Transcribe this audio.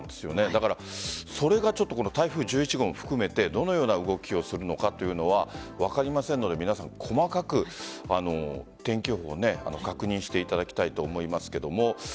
だからそれが台風１１号も含めてどのような動きをするのかというのは分かりませんので皆さん、細かく天気予報確認していただきたいと思います。